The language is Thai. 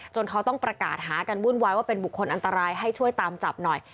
เขาต้องประกาศหากันวุ่นวายว่าเป็นบุคคลอันตรายให้ช่วยตามจับหน่อย